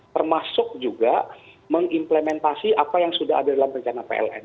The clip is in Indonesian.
termasuk juga mengimplementasi apa yang sudah ada dalam rencana pln